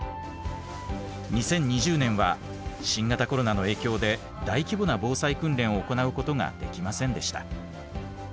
２０２０年は新型コロナの影響で大規模な防災訓練を行うことができませんでした。